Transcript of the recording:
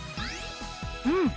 うん！